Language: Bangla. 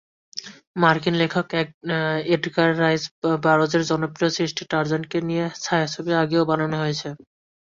মার্কিন লেখক এডগার রাইস বারোজের জনপ্রিয় সৃষ্টি টারজানকে নিয়ে ছায়াছবি আগেও বানানো হয়েছে।